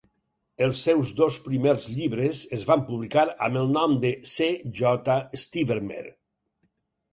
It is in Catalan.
Els seus dos primers llibres es van publicar amb el nom de C. J. Stevermer.